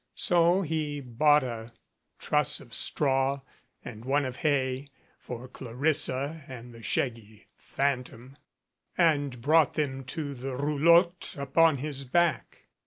So he bought a truss of straw and one of hay (for Clarissa and the shaggy phantom) and brought them to the roulotte upon his back.